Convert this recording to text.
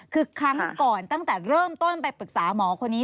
คือครั้งก่อนตั้งแต่เริ่มต้นไปปรึกษาหมอคนนี้